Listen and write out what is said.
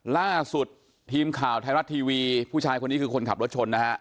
ล่าสุดทีมข่าวไทยรัฐทีวีผู้ชายคนนี้คือคนขับรถชนนะฮะ